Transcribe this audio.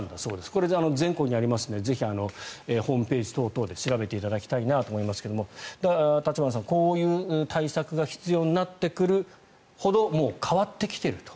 これ、全国にありますのでぜひホームページなどで調べていただきたいなと思いますが立花さん、こういう対策が必要になってくるほどもう変わってきていると。